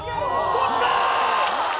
取った！